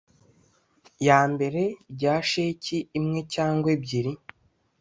ya mbere rya sheki imwe cyangwaebyiri